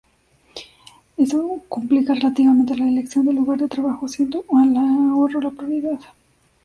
Eso complica relativamente la elección del lugar de trabajo, siendo el ahorro la prioridad.